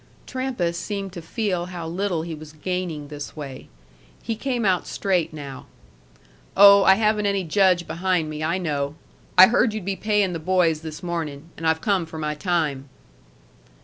Trampas seemed to feel how little he was gaining this way. He came out straight now. "Oh, I haven't any Judge behind me, I know. I heard you'd be paying the boys this morning, and I've come for my time."